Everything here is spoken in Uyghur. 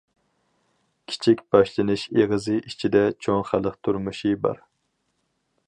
« كىچىك باشلىنىش ئېغىزى» ئىچىدە چوڭ خەلق تۇرمۇشى بار.